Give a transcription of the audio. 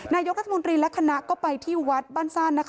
นายกทรัฐบุญรีและคณะก็ไปที่วัดบ้านซ่าน